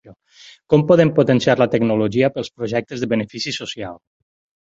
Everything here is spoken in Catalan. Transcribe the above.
Com podem potenciar la tecnologia pels projectes de benefici social.